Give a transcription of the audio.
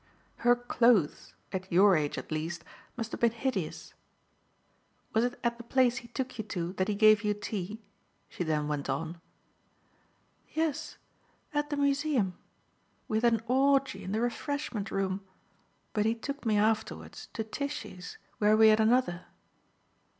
"Her clothes at your age at least must have been hideous. Was it at the place he took you to that he gave you tea?" she then went on. "Yes, at the Museum. We had an orgy in the refreshment room. But he took me afterwards to Tishy's, where we had another."